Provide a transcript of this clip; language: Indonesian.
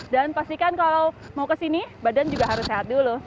dan pastikan kalau mau kesini badan juga harus sehat dulu